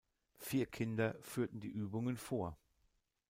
Vier Kinder führten die Übungen vor.